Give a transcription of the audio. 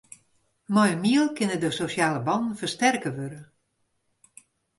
Mei in miel kinne de sosjale bannen fersterke wurde.